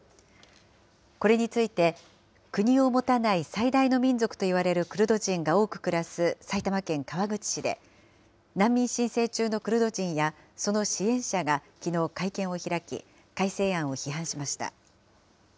これについて、国を持たない最大の民族といわれるクルド人が多く暮らす埼玉県川口市で、難民申請中のクルド人やその支援者がきのう、会見を開き、改正案を批判しました。